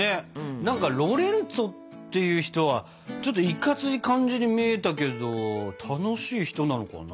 何かロレンツォっていう人はちょっといかつい感じに見えたけど楽しい人なのかな？